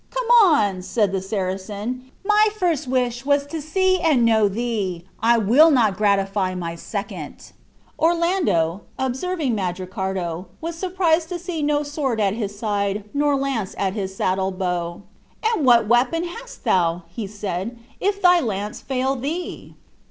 "Come on," said the Saracen, "my first wish was to see and know thee; I will not gratify my second." Orlando, observing Mandricardo was surprised to see no sword at his side, nor mace at his saddle bow. "And what weapon hast thou," said he, "if thy lance fail thee?"